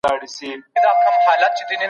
د کار وېشنه یوه اړتیا ده.